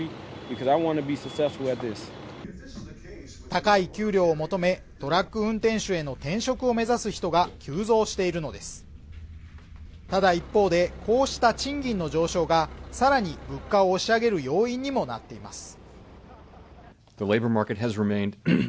高い給料を求めトラック運転手への転職を目指す人が急増しているのですただ一方でこうした賃金の上昇がさらに物価を押し上げる要因にもなっています